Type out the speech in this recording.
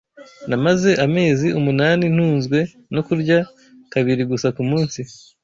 Namaze amezi umunani ntunzwe no kurya kabiri gusa ku munsi.